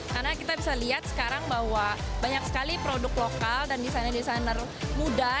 karena kita bisa lihat sekarang bahwa banyak sekali produk lokal dan desainer desainer muda